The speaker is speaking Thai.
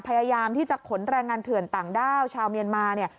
พยายามที่จะขนแรงงานเถื่อนต่างด้าวชาวเมียนมาเนี่ย